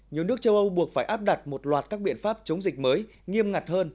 nhiều nước châu âu buộc phải áp đặt một loạt các biện pháp chống dịch mới nghiêm ngặt hơn